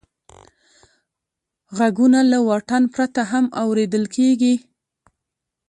غږونه له واټن پرته هم اورېدل کېږي.